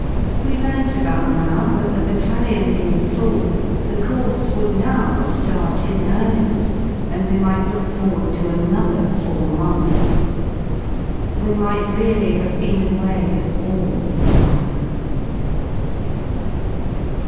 We learnt about now that the Battalion being full the course would now ^rt in earned and we might look forward to another four months; we might really have been away all the time.